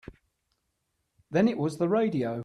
Then it was the radio.